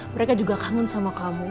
mereka juga kangen sama kamu